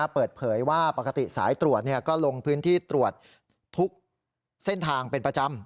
เปิดเผยว่าปกติสายตรวจก็ลงพื้นที่ตรวจทุกเส้นทางเป็นประจำ